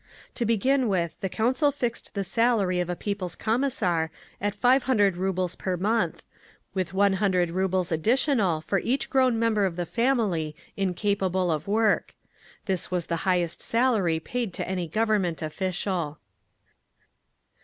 To begin with, the Council fixed the salary of a People's Commissar at 500 rubles per month, with 100 rubles additional for each grown member of the family incapable of work…. This was the highest salary paid to any Government official…. 4.